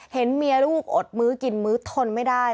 เห็นเมียลูกอดมื้อกินมื้อทนไม่ได้